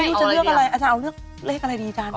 ไม่รู้จะเลือกอะไรอาจารย์เอาเลือกเลขอะไรดีอาจารย์